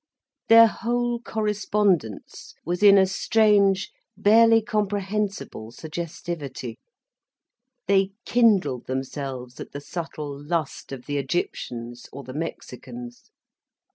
Their whole correspondence was in a strange, barely comprehensible suggestivity, they kindled themselves at the subtle lust of the Egyptians or the Mexicans.